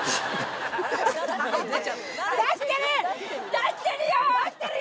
出してるよ！